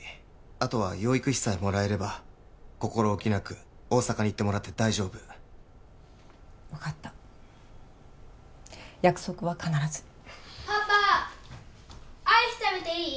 あとは養育費さえもらえれば心置きなく大阪に行ってもらって大丈夫分かった約束は必ずパパアイス食べていい？